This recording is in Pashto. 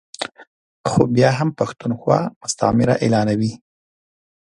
خو بیا هم پښتونخوا مستعمره اعلانوي ا